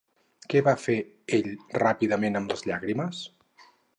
Què va fer ell ràpidament amb les llàgrimes?